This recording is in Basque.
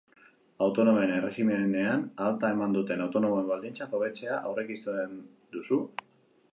Autonomoen erregimenean alta eman duten autonomoen baldintzak hobetzea aurreikusten duzu?